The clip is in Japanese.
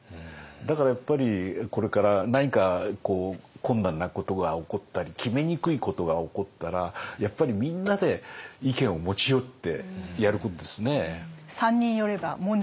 だからやっぱりこれから何か困難なことが起こったり決めにくいことが起こったらやっぱりみんなで意見を持ち寄ってやることですね。